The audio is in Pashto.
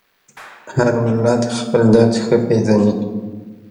هر ملت خپل درد ښه پېژني.